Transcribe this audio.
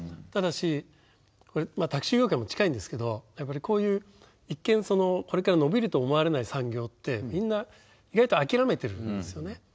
ただしこれタクシー業界も近いんですけどこういう一見これから伸びると思われない産業ってみんな意外と諦めてるんですよね